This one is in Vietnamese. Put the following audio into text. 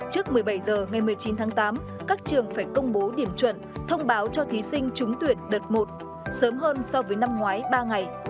trước một mươi bảy h ngày một mươi chín tháng tám các trường phải công bố điểm chuẩn thông báo cho thí sinh trúng tuyển đợt một sớm hơn so với năm ngoái ba ngày